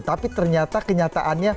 tapi ternyata kenyataannya